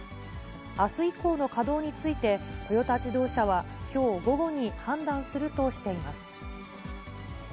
あす以降の稼働について、トヨタ自動車は、きょう午後に判断するとしています。